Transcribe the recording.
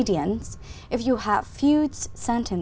đó là một cộng đồng